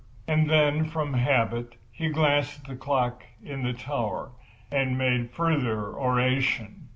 And then, from habit, he glanced at the clock in the tower, and made further oration.